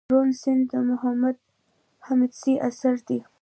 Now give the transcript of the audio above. روڼ سيند دمحمود حميدزي اثر دئ